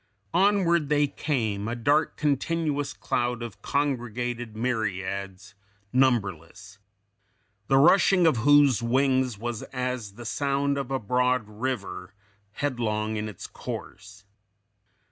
"Onward they came, a dark, continuous cloud of congregated myriads, numberless. The rushing of whose wings was as the sound of a broad river, headlong in its course.